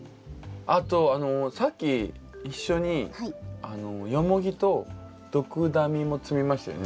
あとさっき一緒にヨモギとドクダミも摘みましたよね。